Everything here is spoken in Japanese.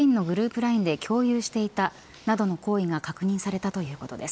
ＬＩＮＥで共有していたなどの行為が確認されたということです。